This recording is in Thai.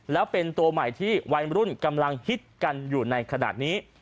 แล้วเป็นตัวใหม่ที่วัยรุ่นกำลังฮิตกันอยู่ในขณะนี้